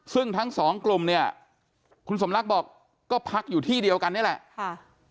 ซึ่งทั้งสองกลุ่มเนี่ยคุณสมรักบอกก็พักอยู่ที่เดียวกันนี่แหละค่ะ